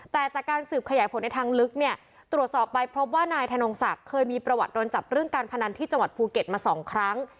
แต่จากการสืบขยายผลในทางลึกเนี่ยตรวจสอบไปพบว่านายธนงศักดิ์เคยมีประวัติโดนจับเรื่องการพนันที่จังหวัดภูเก็ตมา๒ครั้ง